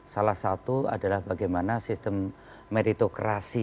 salah satu adalah bagaimana sistem meritokrasi